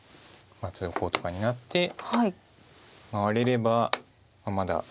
例えばこうとかになって回れればまだ。